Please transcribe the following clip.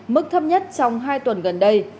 mức thấp nhất trong hai tuần gần đây